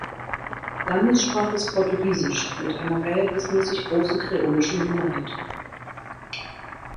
Landessprache ist Portugiesisch, mit einer verhältnismäßig großen kreolischen Minderheit.